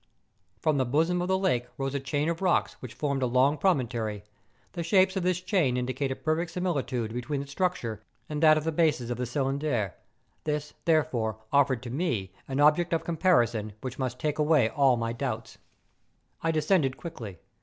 From the bosom of the lake rose a chain of rocks. 142 MOUNTAIN ADVENTURES. which formed a long promontory. The shapes of this chain indicate a perfect similitude between its structure and that of the bases of the Cylindre: this, therefore, offered to me an object of comparison which must take away all m}'' doubts. I descended quickly.